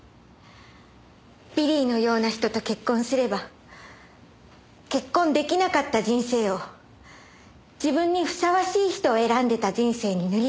ビリーのような人と結婚すれば結婚出来なかった人生を自分にふさわしい人を選んでた人生に塗り替えられる。